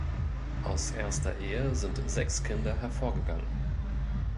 Aus erster Ehe sind sechs Kinder hervorgegangen.